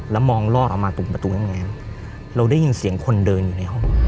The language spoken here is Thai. แล้วมองล่อเรามาตรงประตูยังไงเราได้ยินเสียงคนเดินอยู่ในห้อง